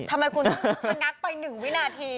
ทำไมคุณต้องชะงักไป๑วินาที